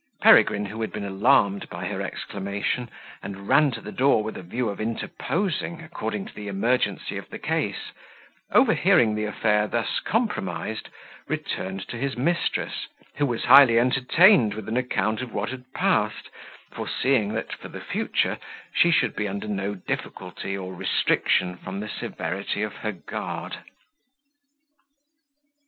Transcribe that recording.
Peregrine, who had been alarmed by her exclamation, and ran to the door with a view of interposing according to the emergency of the case, overhearing the affair thus compromised, returned to his mistress, who was highly entertained with an account of what had passed, foreseeing that for the future she should be under no difficulty or restriction from the severity of her guard.